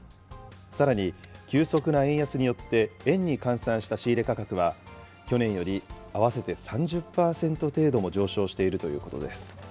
さらに急速な円安によって、円に換算した仕入れ価格は、去年より合わせて３０％程度も上昇しているということです。